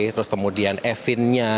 terus kemudian e file nya